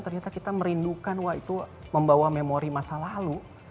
ternyata kita merindukan wah itu membawa memori masa lalu